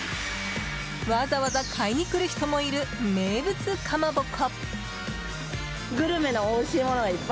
わざわざ買いに来る人もいる名物かまぼこ。